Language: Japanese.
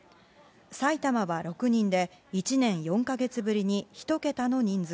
埼玉は６人で１年４か月ぶりに１桁の人数。